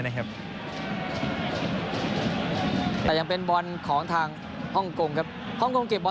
แต่ยังเป็นบอลของทางฮ่องกงครับฮ่องกงเก็บบอล